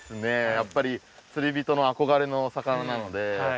やっぱり釣り人の憧れの魚なので。